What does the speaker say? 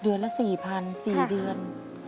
เดือนละ๔๐๐๔เดือน